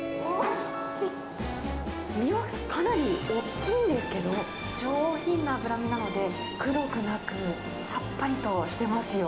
身はかなりおっきいんですけど、上品な脂身なので、くどくなく、さっぱりとしてますよ。